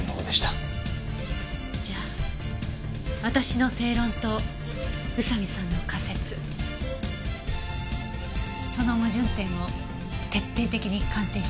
じゃあ私の正論と宇佐見さんの仮説その矛盾点を徹底的に鑑定してみましょう。